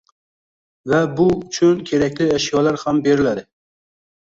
va bu uchun kerakli ashyolar ham beriladi.